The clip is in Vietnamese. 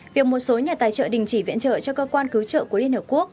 việc một số nhà tài trợ đình chỉ viện trợ cho cơ quan cứu trợ của liên hợp quốc